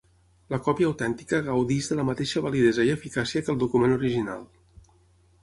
La còpia autèntica gaudeix de la mateixa validesa i eficàcia que el document original.